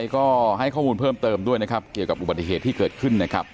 ก็ให้ข้อมูลเพิ่มเติมด้วยนะครับเกี่ยวกับอุบัติเหตุที่เกิดขึ้นนะครับ